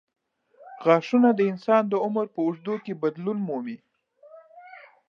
غاښونه د انسان د عمر په اوږدو کې بدلون مومي.